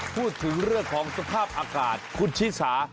พูดถึงเรื่องของสภาพอากาศคุณชิสา